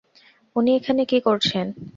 উনি এখানে কি করছেন?